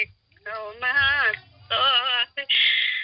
เข้ามาส่งเขามา